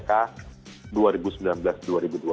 oke idealnya tidak ada representasi begitu ya